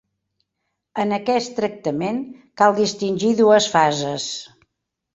En aquest tractament cal distingir dues fases.